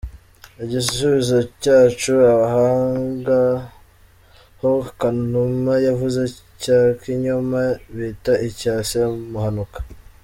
Igisubizo cyacu: Ahangaha ho Kanuma yavuze cya kinyoma bita icya Semuhanuka.